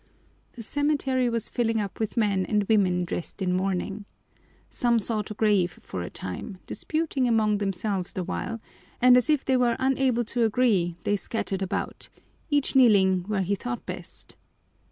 The cemetery was filling up with men and women dressed in mourning. Some sought a grave for a time, disputing among themselves the while, and as if they were unable to agree, they scattered about, each kneeling where he thought best.